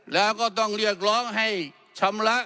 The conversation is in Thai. แล้วก็ต้องเรียกร้องให้ชำระ